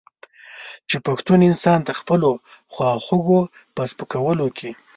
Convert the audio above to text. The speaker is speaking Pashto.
چې پښتون انسان د خپلو خواخوږو په سپکولو کې.